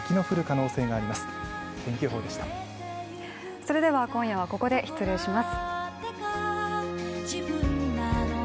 それでは今夜はここで失礼します。